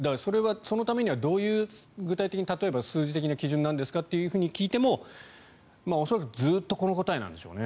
そのためにはどういう、具体的に例えば数字的な基準なんですかと聞いても恐らくずっとこの答えなんでしょうね。